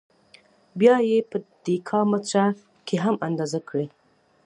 بیا یې په دېکا متره کې هم اندازه کړئ.